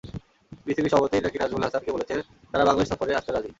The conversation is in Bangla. পিসিবি সভাপতি নাকি নাজমুল হাসানকে বলেছেন, তারা বাংলাদেশ সফরে আসতে রাজি।